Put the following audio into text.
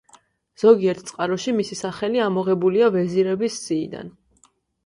ზოგიერთ წყაროში მისი სახელი ამოღებულია ვეზირების სიიდან.